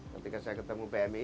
ketika saya ketemu pmi